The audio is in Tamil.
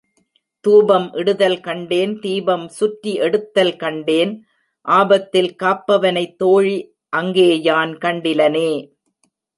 தூபம் இடுதல் கண்டேன் தீபம் சுற்றி எடுத்தல் கண்டேன் ஆபத்தில் காப்பவனைத் தோழி அங்கே யான் கண்டிலனே.